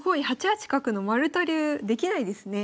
８八角の丸田流できないですね。